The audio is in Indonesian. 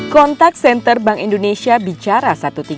kontak senter bank indonesia bicara satu ratus tiga puluh